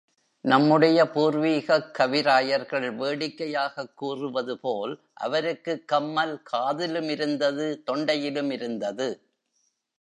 நம்முடைய பூர்வீகக் கவிராயர்கள் வேடிக்கையாகக் கூறுவது போல், அவருக்குக் கம்மல் காதிலுமிருந்தது, தொண்டையிலுமிருந்தது.